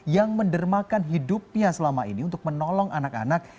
yang mendermakan hidupnya selama ini untuk menolong anak anak